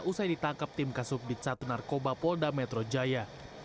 usai ditangkap tim kasubdit satu narkoba polda metro jaya